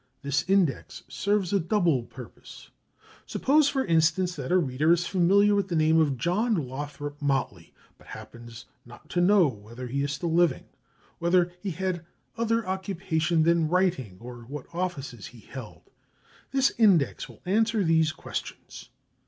This index serves a double purpose. Suppose, for instance, that a reader is familiar with the name of John Lothrop Motley, but happens not to know whether he is still living, whether he had other occupation than writing, or what offices he held. This index will answer these questions.